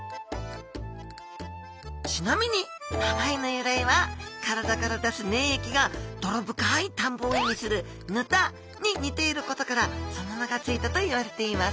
ちなみに名前の由来は体から出す粘液が泥深い田んぼを意味する沼田に似ていることからその名が付いたといわれています